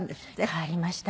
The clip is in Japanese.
変わりました。